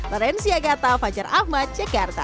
terim si agata fajar ahmad jakarta